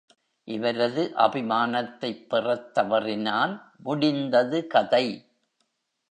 இவரது அபிமானத்தைப் பெறத் தவறினால், முடிந்தது கதை!...